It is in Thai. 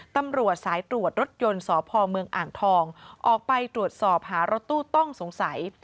ตำรวจสายตรวจรถยนต์สพเมืองอ่างทองออกไปตรวจสอบหารถตู้ต้องสงสัย